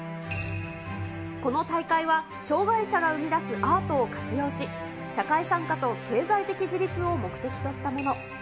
この大会は、障がい者が生み出すアートを活用し、社会参加と経済的自立を目的としたもの。